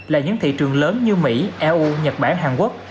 là những thị trường lớn như mỹ eu nhật bản hàn quốc